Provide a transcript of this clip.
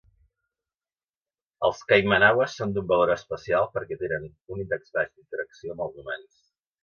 Els kaimanaues són d'un valor especial perquè tenen un índex baix d'interacció amb els humans.